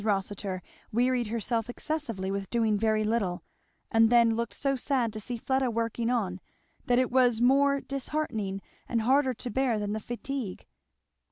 Rossitur wearied herself excessively with doing very little, and then looked so sad to see Fleda working on, that it was more disheartening and harder to bear than the fatigue.